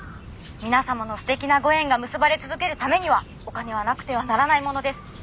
皆様の素敵なご縁が結ばれ続けるためにはお金はなくてはならないものです。